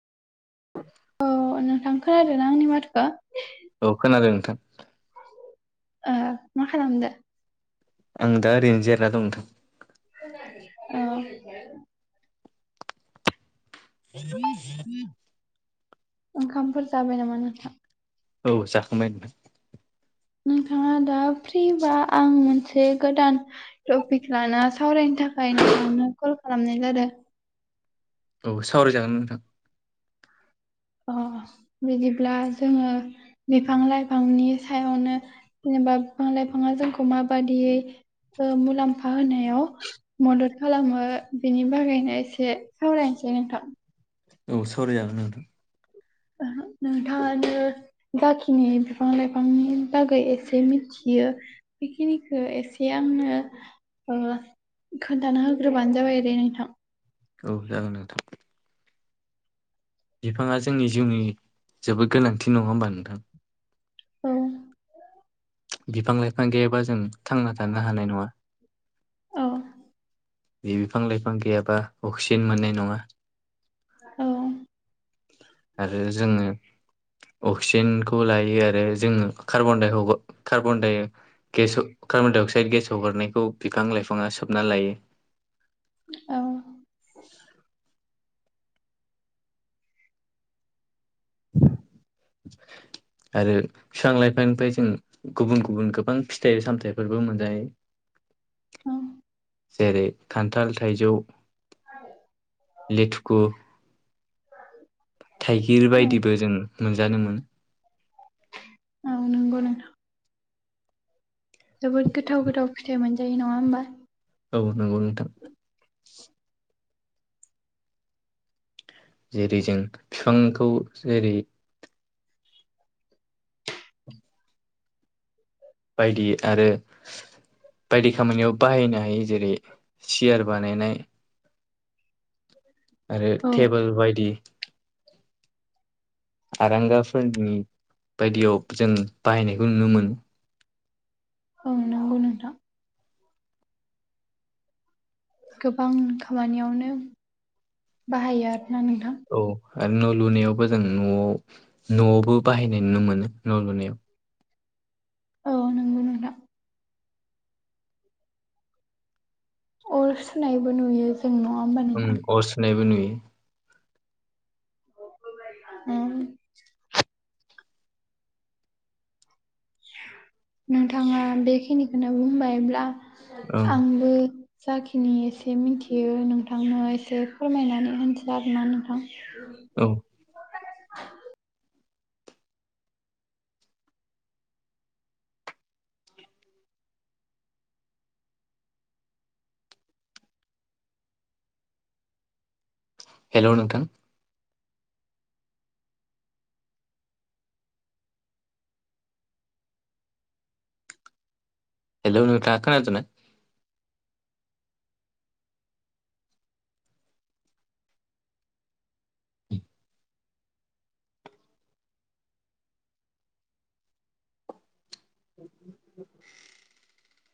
औ नोंथां खोनादों ना आंनि माथोखो? औ खोनादों नोंथां। ओ मा खालामदो? आं दा ओरैनो जेरना दं नोंथां। ओ ओंखामफोर जाबाय नामा नोंथां? औ जाखांबाय नों नोंथाङा दा फ्रिबा आं मोनस से गोदान टपिक लाना सावरायनो थाखाय नोंथानो कल खालामनाय जादों। औ सावरायजागोन नोंथां। अ बिदिब्ला जोङो बिफां लाइफांनि सायावनो जेनेबा बिफां लाइफाङा जोंखौ माबादियै मुलाम्फा होनायाव मदद खालामो बिनि बागैनो एसे सावरायनोसै नोंथां। औ सावराय जागोन नोंथां। नोंथाङानो जाखिनि बिफां लाइफांनि बागै एसे मिथियो बेखिनिखो एसे आंनो ओ खोन्थाना होग्रोबानो जाबाय दे नोंथां। औ जागोन नोंथां। बिफाङा जोंनि जिउनि जोबोद गोनांथि नङा होमबा नोंथां। औ बिफां लाइफां गैयाबा जों थांना थानो हानाय नङा। औ। बि बिफां लाइफां गैयाबा अक्सिजेन मोननाय नङा। औ। आरो जोङो अक्सिजेनखौ लायो आरो जोङो कार्बनडाइ हगार कार्बनडाइ गेस कार्बनडाइ अक्साइड गेसाव हरनायखौ बिफां लाइफाङा सोबना लायो। औ। [inaudible] आरो बिफां लाइफांनिफ्राय जों गुबुन-गुबुन गोबां फिथाइ सामथायाइफोरबो मोनजायो। [inaudible] जेरै खान्थाल थाइजौ लेथुखु [inaudible] थाइगिर औ बायदिबो जों मोनजादोंमोन। औ नंगौ नोंथां। जोबोद गोथाव-गोथाव फिथाइ मोनजायो नङा होमबा। औ नांगौ नोंथां। जेरै जों बिफांखौ जेरै बायदि आरो बायदि खामानियाव बाहायनाय नै जेरै सियार बानायनाय आरो औ टेबोल बायदि आरांगाफोरनि बायदियाव जों बाहायनायखौ नुनो मोनो। औ नंगौ नोंथां। गोबां खामानियावनो बाहायो आरोना नोंथां। औ आरो न' लुनायावबो जों न'आव न'आवबो बाहायनाय नुनो मोनो न' लुनायाव। औ नंगौ‌ नोंथां। अर सुनायबो नुयो। जों नङा ओमबा नों ओम अर सुनायबो नुयो। उम। नोंथाङा बेखिनिखौनो बुंबायब्ला ओं आंबो जाखिनि एसे मिथियो नोंथांनो एसे फोरमायनानै होनोसै आरोना नोंथां। [inaudible] औ हेलौ नोंथां हेलौ नोंथाङा खोनादोंना? [inaudible]